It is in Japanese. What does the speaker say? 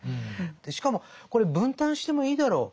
しかもこれ分担してもいいだろう。